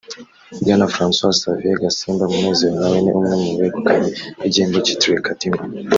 Bwana Francois Xavier Gasimba Munezero nawe ni umwe mu begukanye igihembo kitiriwe Kadima